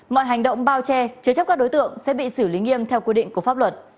mọi hành động bao che chứa chấp các đối tượng sẽ bị xử lý nghiêm theo quy định của pháp luật